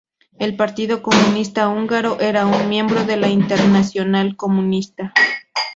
El Partido Comunista Húngaro era un miembro de la Internacional Comunista.